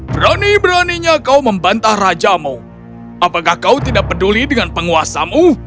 berani beraninya kau membantah rajamu apakah kau tidak peduli dengan penguasamu